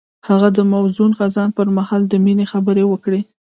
هغه د موزون خزان پر مهال د مینې خبرې وکړې.